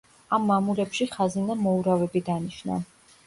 ამ მამულებში ხაზინამ მოურავები დანიშნა.